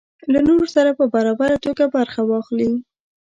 له نورو سره په برابره توګه برخه واخلي.